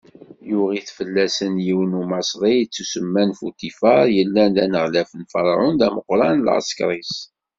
Yuɣ-it fell-asen yiwen n Umaṣri yettusemman Futifaṛ, yellan d aneɣlaf n Ferɛun, d ameqran n lɛeskeṛ-is.